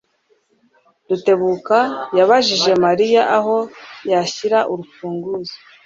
Rutebuka yabajije Mariya aho yashyira urufunguzo.